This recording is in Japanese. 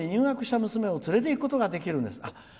この春、小学校に入学した娘を連れていくことができるんです」。